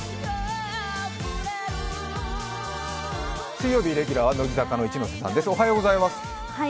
水曜日レギュラーは乃木坂の一ノ瀬さんです。